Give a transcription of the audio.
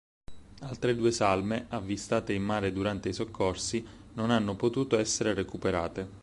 Altre due salme, avvistate in mare durante i soccorsi, non hanno potuto essere recuperate.